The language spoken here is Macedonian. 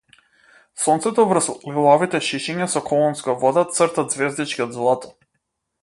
Сонцето врз лилавите шишиња со колонска вода црта ѕвездички од злато.